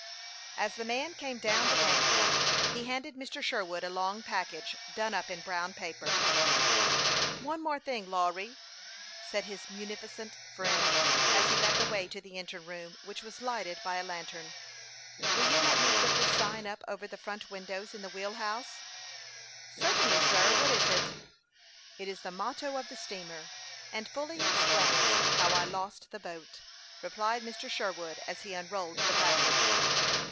As the man came down the gang plank, he handed Mr. Sherwood a long package, done up in brown paper. " One thing more, Lawry," said his munificent friend, as he led the way to the engine room, which was lighted by a lantern. " Will you let me put this sign up over the front windows in the wheel house :"" Certainly, sir. What is it ?"" It is the motto of the steamer, and fully explains how I lost the boat," replied Mr. Sherwood, as he unrolled the package.